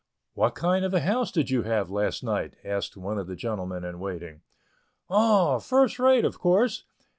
"What kind of a house did you have last night?" asked one of the gentlemen in waiting. "Oh, first rate, of course.